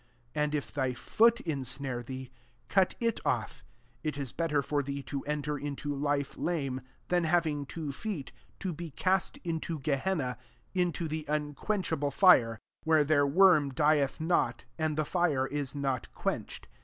] 45 And if thy foot insnare thee, cut it off : it is better for thee to enter into life lame, than having two feet, to be cast into Gehenna, [tn/o the utt^uenckabie firt ;J 46 [where their worm dieth not, and the fire i« not quenched.